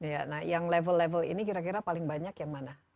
ya nah yang level level ini kira kira paling banyak yang mana